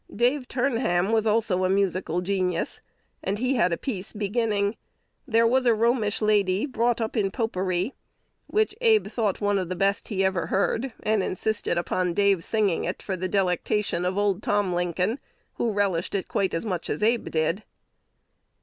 Dave Turnham was also a musical genius, and had a "piece" beginning, "There was a Romish lady Brought up in popery," which Abe thought one of the best he ever heard, and insisted upon Dave's singing it for the delectation of old Tom Lincoln, who relished it quite as much as Abe did.